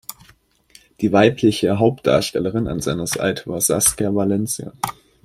Die weibliche Hauptdarstellerin an seiner Seite war Saskia Valencia.